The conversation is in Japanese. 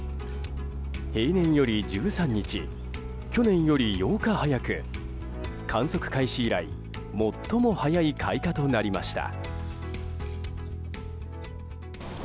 平年より１３日去年より８日早く観測開始以来最も早い開花となりました。